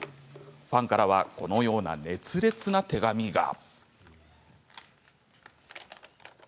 ファンからはこのような熱烈な手紙が。